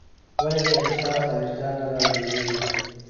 ولې دې احساس او وجدان نه رالړزېږي.